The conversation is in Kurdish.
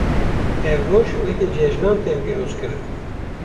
Ev roj weke cejnan tên pîrozkirin.